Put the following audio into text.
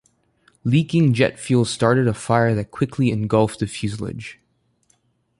Leaking jet fuel started a fire that quickly engulfed the fuselage.